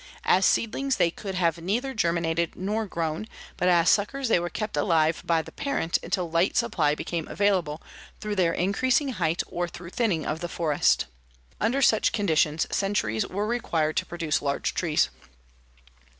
As seedlings they could have neither germinated nor grown, but as suckers they were kept alive by the parent until light supply became available through their increasing height or through thinning of the forest. Under such conditions centuries were required to produce large trees.